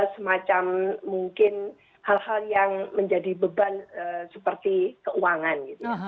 semacam mungkin hal hal yang menjadi beban seperti keuangan